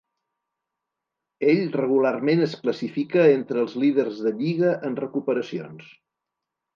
Ell regularment es classifica entre els líders de lliga en recuperacions.